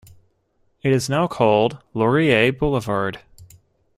It is now called Laurier Boulevard.